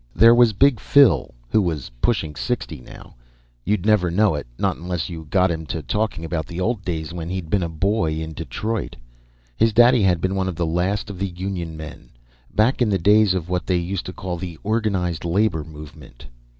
There was Big Phil, who was pushing sixty now. But you'd never know it, not unless you got him to talking about the old days when he'd been a boy in Detroit. His daddy had been one of the last of the Union Men, back in the days of what they used to call the Organized Labor Movement.